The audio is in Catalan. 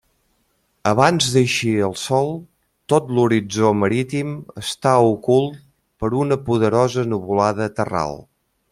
Abans d'eixir el sol tot l'horitzó marítim està ocult per una poderosa nuvolada terral.